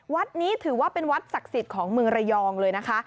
วัดนี้ถือว่าเป็นวัดศักดิ์สิทธิ์ของเมืองระยองเลยนะคะ